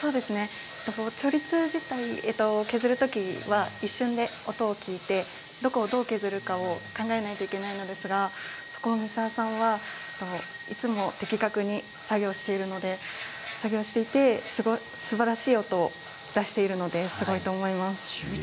調律自体削る時は一瞬で音を聞いてどこをどう削るかを考えないといけないのですがそこを三澤さんは、いつも的確に作業しているので作業していて、すばらしい音を出しているのですごいと思います。